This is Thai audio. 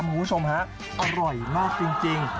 คุณผู้ชมฮะอร่อยมากจริง